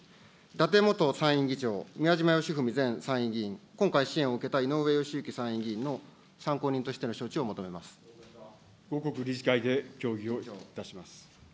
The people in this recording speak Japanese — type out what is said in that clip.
伊達元参院議長、宮島喜文前参議院議員、今回支援を受けたいのうえよしゆき参議院議員の参考人としての招後刻、理事会で協議をいたします。